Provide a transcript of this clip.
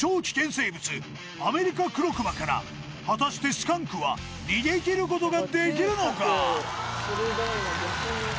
生物アメリカクロクマから果たしてスカンクは逃げ切ることができるのか？